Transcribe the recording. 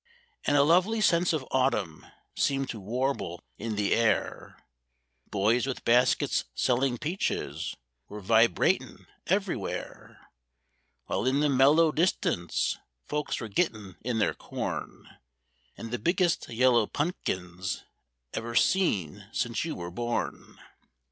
And a lovely sense of autumn seemed to warble in the air; Boys with baskets selling peaches were vibratin' everywhere, While in the mellow distance folks were gettin' in their corn, And the biggest yellow punkins ever seen since you were born.